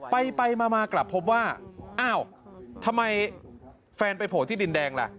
ไปมากลับพบว่าอ้าวทำไมแฟนไปโผล่ที่ดินแดงล่ะ